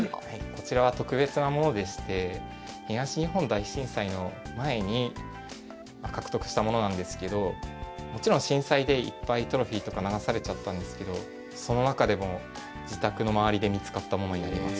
こちらは特別なものでして東日本大震災の前に獲得したものなんですけどもちろん震災でいっぱいトロフィーとか流されちゃったんですけどその中でも自宅の周りで見つかったものになります。